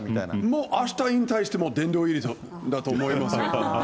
もうあした引退しても、殿堂入りだと思いますよ。